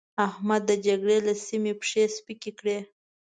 احمد د جګړې له سيمې پښې سپکې کړې.